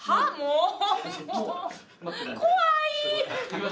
怖い！